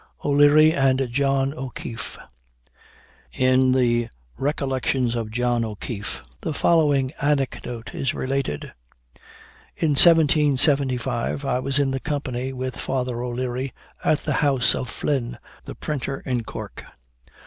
O'LEARY AND JOHN O'KEEFE. In the Recollections of John O'Keefe, the following anecdote is related: "In 1775 I was in company with Father O'Leary, at the house of Flynn, the printer in Cork.